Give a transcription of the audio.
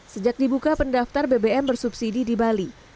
sejak dibuka pendaftar bbm bersubsidi di bali